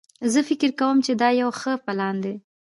زه فکر کوم چې دا یو ښه پلان ده